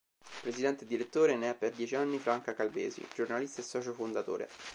Presidente e direttore ne è per dieci anni Franca Calvesi, giornalista e socio fondatore.